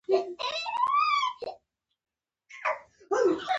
چې پر پخو او رسېدلو میلانوسایټس بدلې شي.